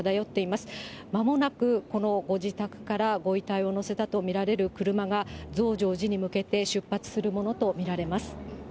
まもなくこのご自宅からご遺体を乗せたと見られる車が、増上寺に向けて出発するものと見られます。